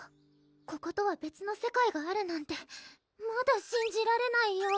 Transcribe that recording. こことは別の世界があるなんてまだしんじられないよ